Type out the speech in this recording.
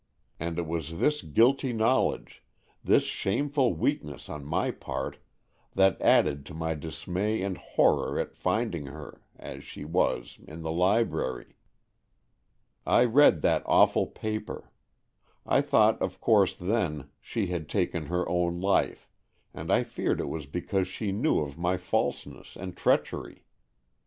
And it was this guilty knowledge—this shameful weakness on my part—that added to my dismay and horror at finding her—as she was, in the library. I read that awful paper,—I thought of course, then, she had taken her own life, and I feared it was because she knew of my falseness and treachery.